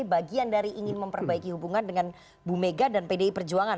bagian dari ingin memperbaiki hubungan dengan bu mega dan pdi perjuangan